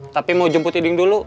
tapi mau jemput iding dulu